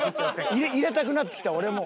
入れたくなってきた俺も。